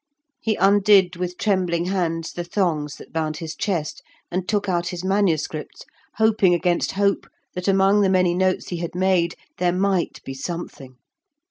He undid with trembling hands the thongs that bound his chest, and took out his manuscripts, hoping against hope that among the many notes he had made there might be something.